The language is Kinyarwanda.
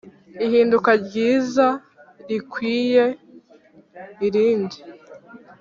ihinduka ryiza rikwiye irindi